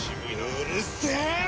うるせぇ！